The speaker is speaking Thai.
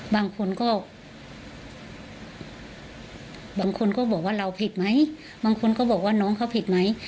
บางคนก็บางคนก็บอกว่าเราผิดไหมบางคนก็บอกว่าน้องเขาผิดไหม